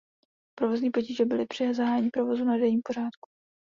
Provozní potíže byly při zahájení provozu na denním pořádku.